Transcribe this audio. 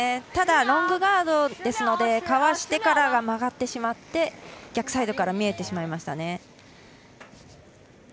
ただ、ロングガードですのでかわしてからが曲がってしまって逆サイドから見えてしまいました。